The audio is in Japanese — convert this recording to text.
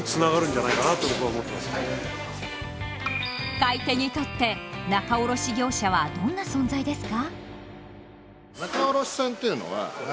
買い手にとって仲卸業者はどんな存在ですか？